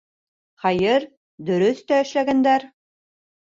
Хәйер, дороҫ тә эшләгәндәр.